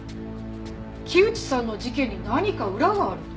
木内さんの事件に何か裏があると？